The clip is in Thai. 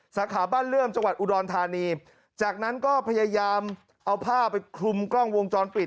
สาขาบ้านเลื่อมจังหวัดอุดรธานีจากนั้นก็พยายามเอาผ้าไปคลุมกล้องวงจรปิด